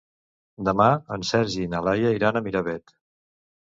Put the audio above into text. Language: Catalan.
Demà en Sergi i na Laia iran a Miravet.